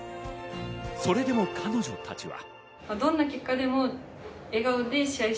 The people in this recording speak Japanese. それでも彼女たちは。